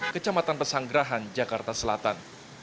kecamatan pesanggerahan jakarta selatan